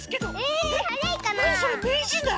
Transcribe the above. なにそれめいじんだ！